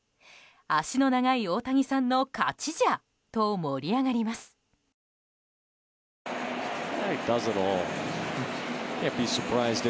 脚の長い大谷さんの勝ちじゃと盛り上がりました。